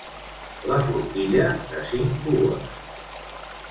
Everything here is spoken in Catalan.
La forquilla de cinc pues.